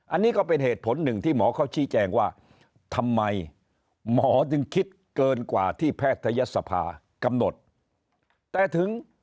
อันนี้ก็เป็นเหตุผลหนึ่งที่หมอเขาชี้แจงว่าทำไมหมอจึงคิดเกินกว่าที่แพทยศภากำหนดแต่ถึง